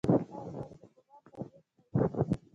ایا ستاسو ګمان به نیک نه وي؟